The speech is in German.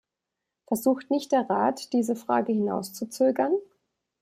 Versucht nicht der Rat, diese Frage hinauszuzögern?